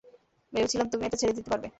ভেবেছিলাম তুমি এটা ছেড়ে দিতে পারবে।